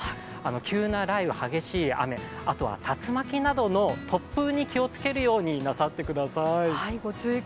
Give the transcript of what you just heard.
急な雷雨、激しい雨、あとは竜巻などの突風に気をつけるようになさってください。